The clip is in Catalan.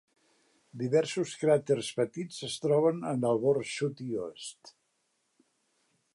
Diversos cràters petits es troben en el bord sud i oest.